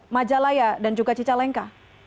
majalaya dan juga cicalengka